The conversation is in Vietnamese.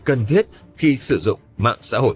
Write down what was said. cần thiết khi sử dụng mạng xã hội